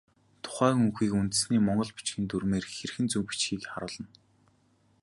Тухайн үгийн үндсийг монгол бичгийн дүрмээр хэрхэн зөв бичихийг харуулна.